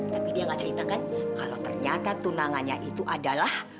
tapi dia gak ceritakan kalau ternyata tunangannya itu adalah